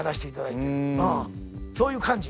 そういう感じ